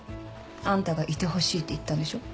あんたがいてほしいって言ったんでしょ。